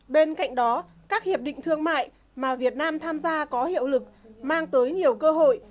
bên cạnh đó các hiệp định thương mại mà việt nam tham gia có hiệu lực mang tới nhiều cơ hội